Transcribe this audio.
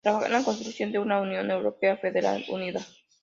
Trabaja a la construcción de una Unión Europea federal unida.